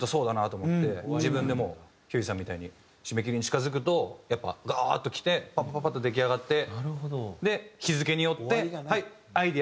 自分でもひゅーいさんみたいに締め切りに近付くとやっぱガーッときてパパパパッと出来上がってで日付によってはいアイデア